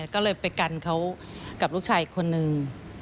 ก็เลยไปกันเขากับลูกชายอีกคนนึง